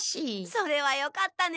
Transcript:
それはよかったね。